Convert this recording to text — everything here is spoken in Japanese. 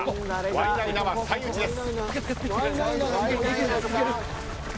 ワイナイナは最内です。